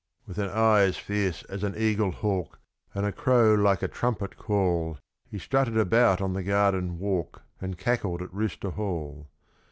With an eye as fierce as an eaglehawk, and a crow like a trumpet call, He strutted about on the garden walk, and cackled at Rooster Hall.